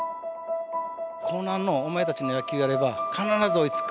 興南のお前たちの野球をやれば必ず追いつくからと。